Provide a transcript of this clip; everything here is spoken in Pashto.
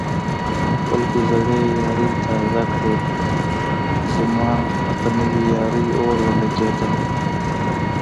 خلکو زړې يارۍ تازه کړې زما په نوې يارۍ اور ولګېدنه